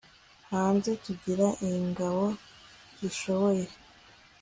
hanze tugira ingabo zishoboye